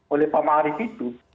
oleh pak marief itu